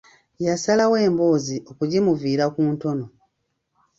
Yasalawo emboozi okugimuviira ku ntono.